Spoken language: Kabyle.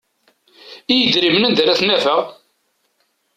I yidrimen anda ara t-nafeɣ?